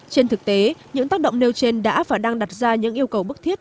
trên thực tế những tác động nêu trên đã và đang đặt ra những yêu cầu bức thiết